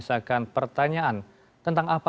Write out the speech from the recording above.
pak setina that juga